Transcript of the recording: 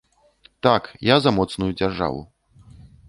Так, я за моцную дзяржаву.